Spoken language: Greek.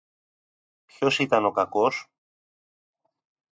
Ποιος ήταν ο κακός;